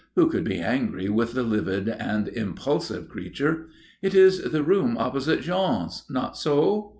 Who could be angry with the vivid and impulsive creature? "It is the room opposite Jean's not so?"